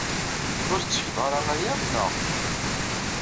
Ur tettgeḍ ara aya, naɣ?